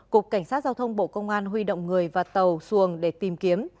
cục cảnh sát giao thông bộ công an huy động người và tàu xuồng để tìm kiếm